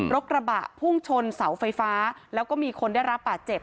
กระบะพุ่งชนเสาไฟฟ้าแล้วก็มีคนได้รับบาดเจ็บ